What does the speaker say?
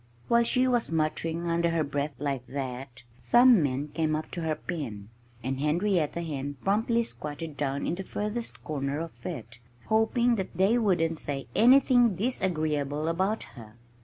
While she was muttering under her breath like that some men came up to her pen. And Henrietta Hen promptly squatted down in the furthest corner of it, hoping they wouldn't say anything disagreeable about her.